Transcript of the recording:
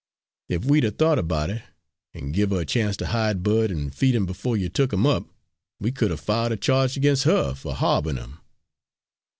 If we'd 'a' thought about it, an' give' her a chance to hide Bud and feed him befo' you took 'im up, we could 'a' filed a charge ag'inst her for harborin' 'im."